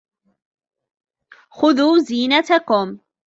خُذُوا زِينَتَكُمْ